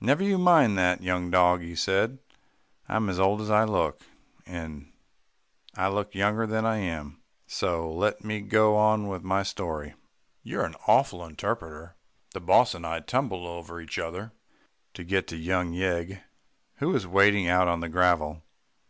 "Never you mind that, young dog," he said. "I'm as old as I look, and I look younger than I am, so let me go on with my story. You're an awful interrupter. The boss and I tumbled over each other to get to young Yeg who was waiting out on the gravel.